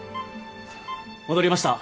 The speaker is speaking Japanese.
戻りました。